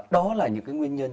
đó là những cái nguyên nhân